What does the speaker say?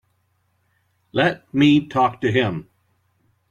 Let me talk to him.